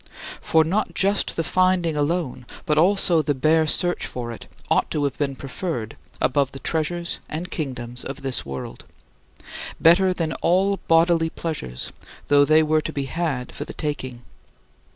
For not just the finding alone, but also the bare search for it, ought to have been preferred above the treasures and kingdoms of this world; better than all bodily pleasures, though they were to be had for the taking.